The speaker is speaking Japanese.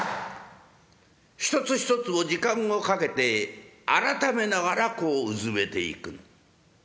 一つ一つを時間をかけてあらためながらこううずめていく。